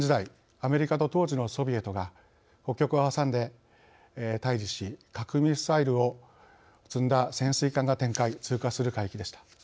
アメリカと当時のソビエトが北極を挟んで対じし核ミサイルを積んだ潜水艦が展開、通過する海域でした。